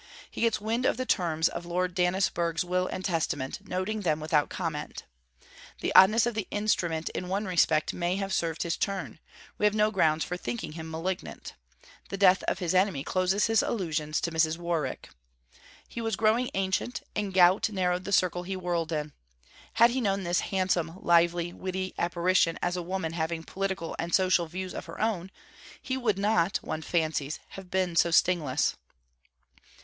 He gets wind of the terms of Lord Dannisburgh's will and testament, noting them without comment. The oddness of the instrument in one respect may have served his turn; we have no grounds for thinking him malignant. The death of his enemy closes his allusions to Mrs. Warwick. He was growing ancient, and gout narrowed the circle he whirled in. Had he known this 'handsome, lively, witty' apparition as a woman having political and social views of her own, he would not, one fancies, have been so stingless.